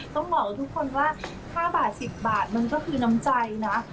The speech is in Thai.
ต้องบอกทุกคนว่า๕บาท๑๐บาทมันก็คือน้ำใจนะ